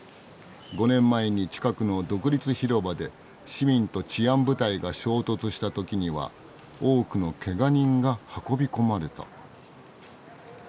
５年前に近くの独立広場で市民と治安部隊が衝突した時には多くのけが人が運び込まれた」。